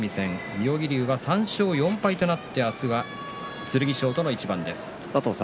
妙義龍は３勝４敗となって明日は剣翔との一番です。